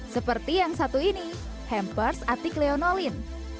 seperti yang satu ini hampers atik leonolin